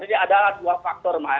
jadi adalah dua faktor